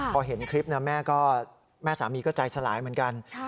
พอเห็นคลิปนะแม่สามีก็ใจสลายเหมือนกัน